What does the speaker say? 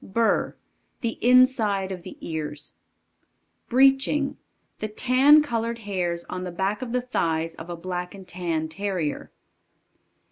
Burr. The inside of the ears. Breeching. The tan colored hairs on the back of the thighs of a Black and tan Terrier.